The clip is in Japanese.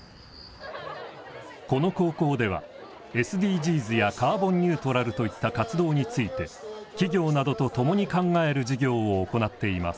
この高校ではＳＤＧｓやカーボンニュートラルといった活動について企業などと共に考える授業を行っています。